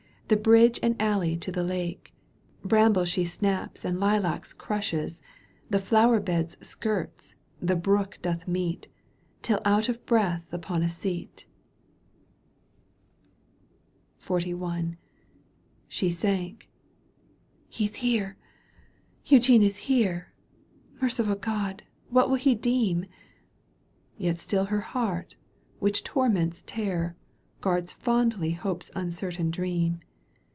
The bridge and alley to the lake. Brambles she snaps and lilacs crushes. The flowerbeds skirts, the brook doth meet, Till out of breath upon a seat XLI. She sank. —" He's here ! Eugene is here I Merciful God, what will he deem ?" Yet still her heart,, which torments tear, Guards fondly hope's uncertain dream.